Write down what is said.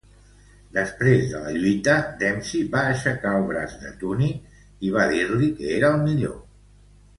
Després de la lluita, Dempsey va aixecar el braç de Tunney i va dir-li que era el millor.